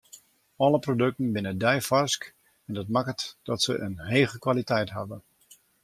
Alle produkten binne deifarsk en dat makket dat se in hege kwaliteit hawwe.